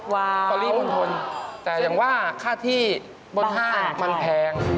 ตอรี่มณฑลแต่อย่างว่าค่าที่บนห้างมันแพง